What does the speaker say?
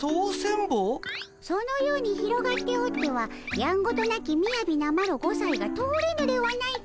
そのように広がっておってはやんごとなきみやびなマロ５さいが通れぬではないか。